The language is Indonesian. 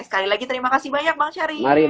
sekali lagi terima kasih banyak bang syari